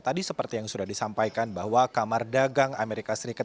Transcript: tadi seperti yang sudah disampaikan bahwa kamar dagang amerika serikat